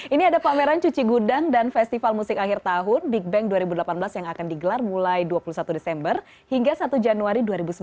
ini ada pameran cuci gudang dan festival musik akhir tahun big bang dua ribu delapan belas yang akan digelar mulai dua puluh satu desember hingga satu januari dua ribu sembilan belas